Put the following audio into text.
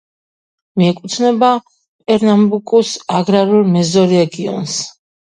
მიეკუთვნება პერნამბუკუს აგრარულ მეზორეგიონს.